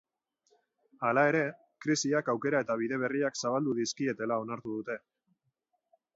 Hala ere, krisiak aukera eta bide berriak zabaldu dizkietela onartu dute.